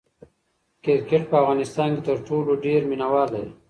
کرکټ په افغانستان کې تر ټولو ډېر مینه وال لري.